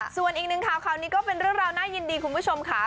ส่วนอีกหนึ่งข่าวข่าวนี้ก็เป็นเรื่องราวน่ายินดีคุณผู้ชมค่ะ